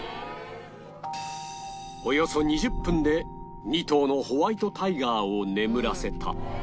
およそ２０分で２頭のホワイトタイガーを眠らせた